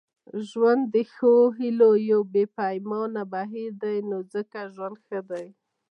ژوند د ښو هیلو یو بې پایانه بهیر دی نو ځکه ژوند ښه دی.